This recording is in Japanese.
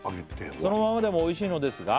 「そのままでもおいしいのですが」